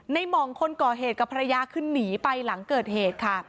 หม่องคนก่อเหตุกับภรรยาคือหนีไปหลังเกิดเหตุค่ะ